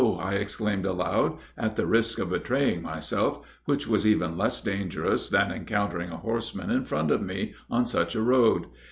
I exclaimed aloud, at the risk of betraying myself, which was even less dangerous than encountering a horseman in front of me on such a road.